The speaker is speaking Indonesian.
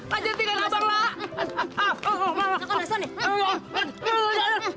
ya leher gua putus dah